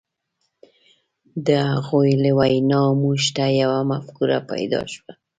د هغوی له ویناوو موږ ته یوه مفکوره پیدا شوه.